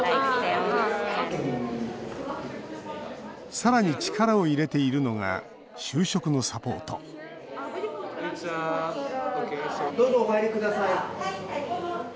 さらに力を入れているのが就職のサポートどうぞお入りください。